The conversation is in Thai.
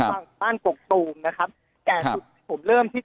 หายจริงหายจริงหายจริงหายจริงหายจริงหายจริงหายจริงหายจริง